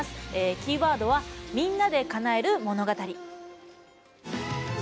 キーワードは「みんなで叶える物語」。